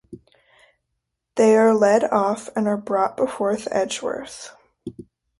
They are led off and are brought before Edgeworth.